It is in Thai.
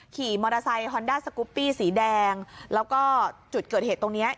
ขี่มอเตอร์ไซค์ฮอนด้าสกุปปี้สีแดงแล้วก็จุดเกิดเหตุตรงเนี้ย